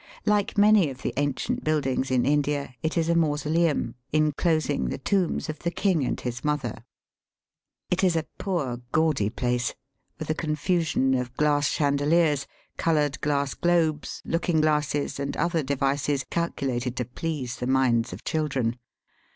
Like many of the ancient buildings in Lidia, it is a mausoleum, inclosing the tombs of the king and his mother. It is a poor, Digitized by VjOOQIC THE EESIDENCY AT LUOKNOW. 241 gaudy place, with a confusion of glass chan deliers, coloured glass globes, looking glasses, and other devices calculated to please the minds of children.